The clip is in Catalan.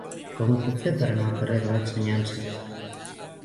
Com ho puc fer per anar al carrer de l'Ensenyança?